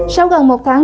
sau gần một tháng